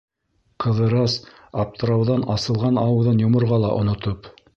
Ҡыҙырас, аптырауҙан асылған ауыҙын йоморға ла онотоп: